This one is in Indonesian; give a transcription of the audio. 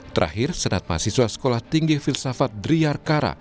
terakhir senat mahasiswa sekolah tinggi filsafat driarkara